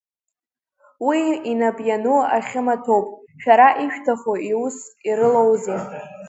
Уи инап иану ахьымаҭәоуп, шәара ишәҭаху иусс ирылоузеи.